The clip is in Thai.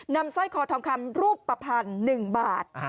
นำส้อยคอทองคำรูปภัณฑ์หนึ่งบาท